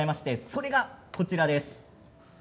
それがこちらです。